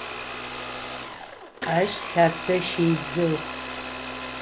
Ащ лъапсэ щыдзыгъ.